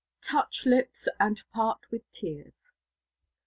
"TOUCH LIPS AND PART WITH TEARS."